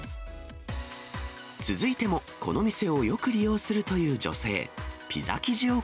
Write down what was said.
続いても、この店をよく利用するという女性。